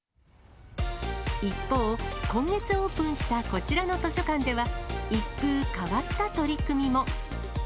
一方、今月オープンしたこちらの図書館では、一風変わった取り組みも。